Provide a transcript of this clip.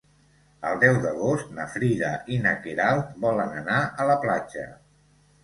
El deu d'agost na Frida i na Queralt volen anar a la platja.